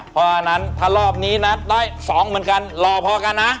เพราะฉะนั้นถ้ารอบนี้นะได้๒เหมือนกันรอพอกันนะ